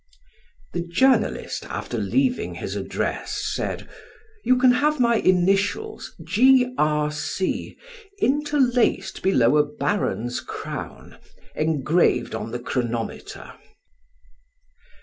The journalist, after leaving his address, said: "You can have my initials G. R. C. interlaced below a baron's crown, engraved on the chronometer."